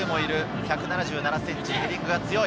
１７７ｃｍ、ヘディングが強い。